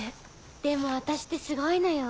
でも私ってすごいのよ。